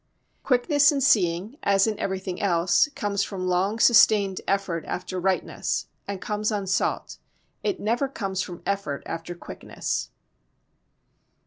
Quickness in seeing as in everything else comes from long sustained effort after rightness and comes unsought. It never comes from effort after quickness.